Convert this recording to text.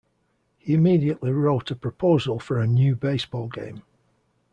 He immediately wrote a proposal for a new baseball game.